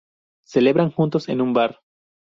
Celebran juntos en un bar..